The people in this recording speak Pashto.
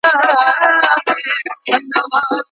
اسلام د انسانانو خرڅول په ډير حکمت سره بند کړل.